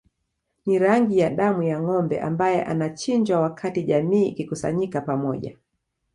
Ni rangi ya damu ya ngombe ambae anachinjwa wakati jamii ikikusanyika pamoja